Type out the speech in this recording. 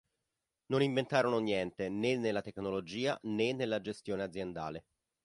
Non inventarono niente, né nella tecnologia né nella gestione aziendale.